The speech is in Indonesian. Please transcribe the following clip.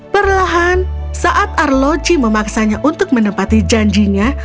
perlahan saat arloji memaksanya untuk menempati janjinya